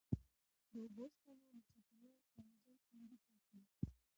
د اوبو سپما د چاپېریال توازن خوندي ساتي.